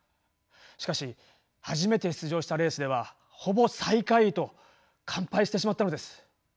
しかし初めて出場したレースではほぼ最下位と完敗してしまったのです。